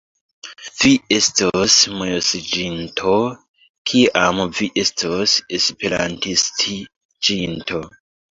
Vi estos mojosiĝinto, kiam vi estos Esperantistiĝinto!